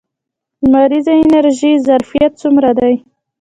د لمریزې انرژۍ ظرفیت څومره دی؟